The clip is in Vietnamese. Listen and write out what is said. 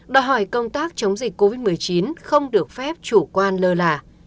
đòi hỏi công tác chống dịch covid một mươi chín không được phép chủ quan lơ là